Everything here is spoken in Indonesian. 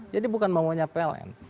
jadi bukan maunya pln